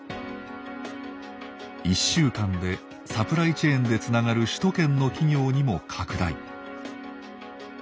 １週間でサプライチェーンでつながる首都圏の企業にも拡大。